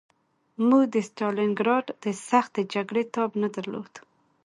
موږ د ستالینګراډ د سختې جګړې تاب نه درلود